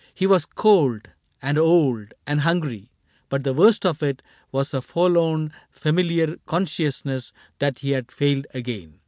He was cold. And old, and hungry ; but the worst of it Was a forlorn familiar consciousness That he had failed again.